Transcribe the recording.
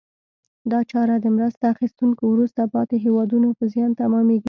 دا چاره د مرسته اخیستونکو وروسته پاتې هېوادونو په زیان تمامیږي.